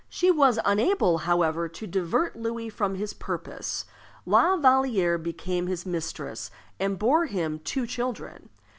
She was unable, however, to divert Louis from his purpose; La Vallière became his mistress, and bore him two children.